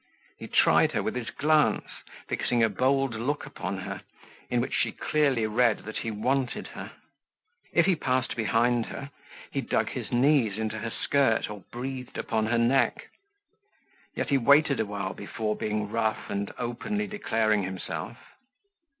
He tried her with his glance, fixing a bold look upon her, in which she clearly read that he wanted her. If he passed behind her, he dug his knees into her skirt, or breathed upon her neck. Yet he waited a while before being rough and openly declaring himself.